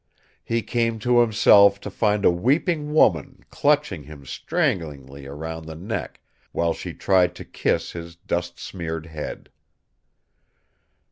He came to himself to find a weeping woman clutching him stranglingly round the neck, while she tried to kiss his dust smeared head.